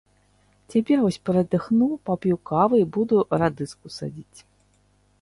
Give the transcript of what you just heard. Цяпер вось перадыхну, пап'ю кавы і буду радыску садзіць.